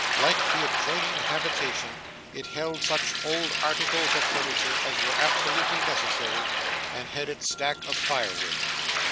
Like the adjoining habitation, it held such old articles of furniture as were absolutely necessary, and had its stack of fire wood.